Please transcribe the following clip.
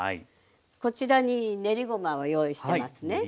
こちらに練りごまを用意してますね。